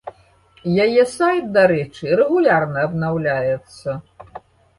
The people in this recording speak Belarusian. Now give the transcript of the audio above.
Яе сайт, дарэчы, рэгулярна абнаўляецца.